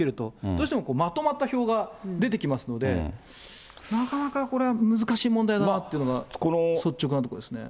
どうしてもまとまった票が出てきますので、なかなかこれは難しい問題だなというのが、率直なところですね。